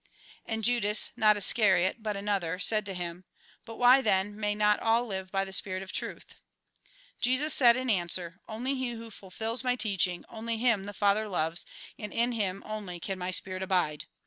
And Judas, not Iscariot, but another, said to him : But why, then, may not all live by the spirit of truth ?" Jesus said in answer :" Only he who fulfils my teaching, only him the Father loves, and in him only can my spirit abide.